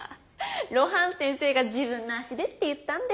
露伴先生が自分の足でって言ったんで。